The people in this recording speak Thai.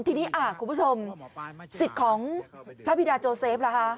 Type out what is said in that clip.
ทีนี้คุณผู้ชมสิทธิ์ของพระบิดาโจเซฟล่ะคะ